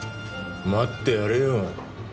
待ってやれよ。